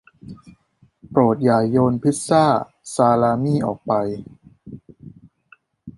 โปรดอย่าโยนพิซซ่าซาลามี่ออกไป